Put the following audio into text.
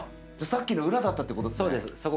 じゃあさっきの裏だったってことっすね。